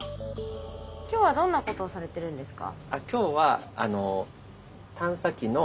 今日はどんなことをされてるんですか？